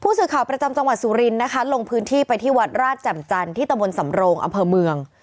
สื่อข่าวประจำจังหวัดสุรินทร์นะคะลงพื้นที่ไปที่วัดราชแจ่มจันทร์ที่ตะบนสำโรงอำเภอเมือง